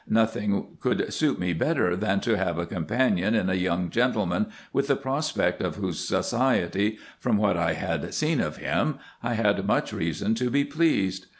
Nothing could suit me better than to have a companion in a young gentleman, with the prospect of whose society, from what I had seen of him, I had much reason to be pleased.